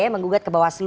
menggugat ke bawah selu